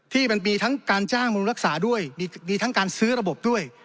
ที่มันมีทั้งการจ้างบำรุงรักษาด้วยมีทั้งการซื้อระบบด้วย